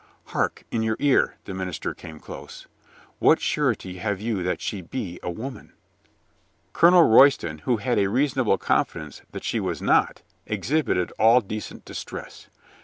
"Hark in your ear!" the minister came close. "What surety have you that she be .a woman?" Colonel Royston, who had a reasonable confidence that she was not, exhibited all decent distress.